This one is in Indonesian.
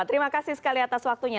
terima kasih sekali atas waktunya